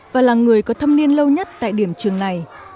và là người có thâm niên lâu nhất tại điểm trường này